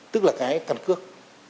tức là cái căn cước